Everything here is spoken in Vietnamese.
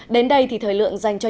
đến đây thì thời lượng dành cho